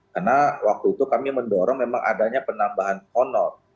karena waktu itu kami mendorong memang adanya penambahan honor